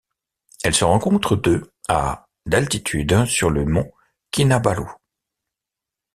Elle se rencontre de à d'altitude sur le mont Kinabalu.